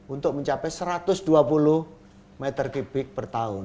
untuk mencapai satu ratus dua puluh meter kubik per tahun